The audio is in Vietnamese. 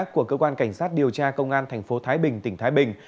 của cơ quan cảnh sát điều tra công an thành phố thái bình tỉnh thái bình